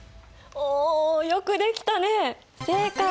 およくできたね正解！